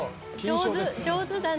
上手だね」